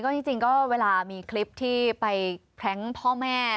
จริงก็เวลามีคลิปที่ไปแพล้งพ่อแม่